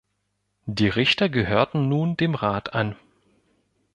Die Richter gehörten nun dem Rat an.